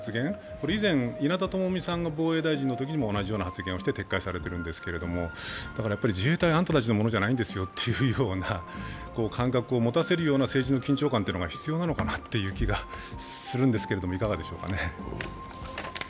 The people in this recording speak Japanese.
これ、以前、稲田朋美さんが防衛大臣のときも同じような発言をして撤回されているんですけれども自衛隊はあんたたちのものじゃないんですよというような感覚を持たせるような必要なのかなっていう気がするんですけどいかがでしょうかね。